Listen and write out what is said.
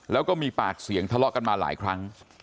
แล้วก็มีปากเสียงทะเลาะกันมาหลายครั้ง